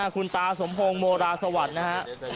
คุณตาสมพงศ์โมราสวรรค์นะครับ